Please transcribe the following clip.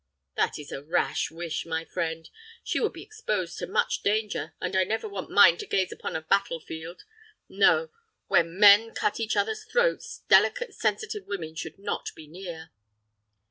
"That is a rash wish, my friend. She would be exposed to much danger, and I never want mine to gaze upon a battle field. No! where men cut each other's throats, delicate, sensitive women should not be near!"